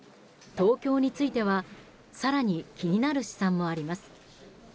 東京については更に気になる試算もあります。